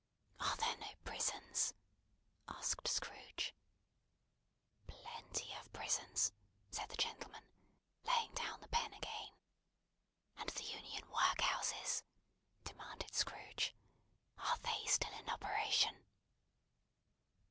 "Are there no prisons?" asked Scrooge. "Plenty of prisons," said the gentleman, laying down the pen again. "And the Union workhouses?" demanded Scrooge. "Are they still in operation?"